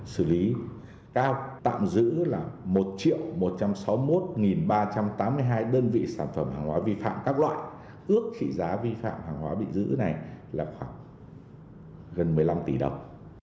xử lý cao tạm giữ là một một trăm sáu mươi một ba trăm tám mươi hai đơn vị sản phẩm hàng hóa vi phạm các loại ước trị giá vi phạm hàng hóa bị giữ này là khoảng gần một mươi năm tỷ đồng